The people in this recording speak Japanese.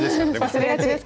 忘れがちですから。